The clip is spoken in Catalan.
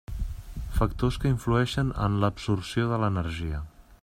Factors que influeixen en l'absorció de l'energia.